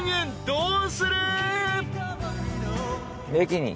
どうする？］